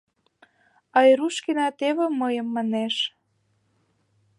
Айрушкина теве мыйым манеш.